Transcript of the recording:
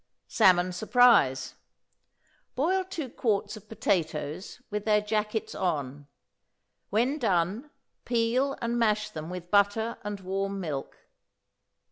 =Salmon Surprise.= Boil two quarts of potatoes with their jackets on. When done, peel and mash them with butter and warm milk.